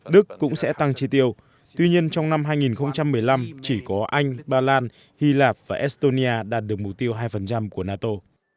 đức cũng sẽ tăng chi tiêu tuy nhiên trong năm hai nghìn một mươi năm chỉ có anh ba lan hy lạp và estonia đạt được mục tiêu hai của nato